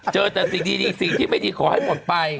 เจอแต่สิ่งดีสิ่งที่ไม่ดีขอให้หมดไป